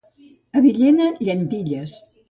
A Villena, llentilles.